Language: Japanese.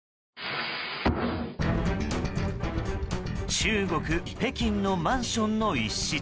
中国・北京のマンションの一室。